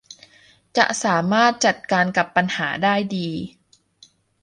จะสามารถจัดการกับปัญหาได้ดี